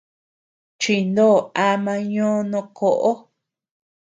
Chinó ama ñò no koʼo.